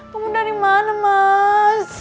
kamu dari mana mas